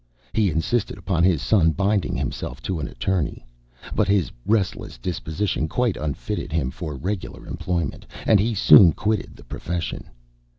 He insisted upon his son binding himself to an attorney. But his restless disposition quite unfitted him for regular employment, and he soon quitted the profession.